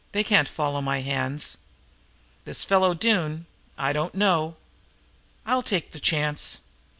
"They can't follow my hands." "This fellow Doone I don't know." "I'll take the chance."